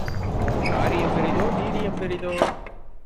காரியம் பெரிதோ வீரியம் பெரிதோ?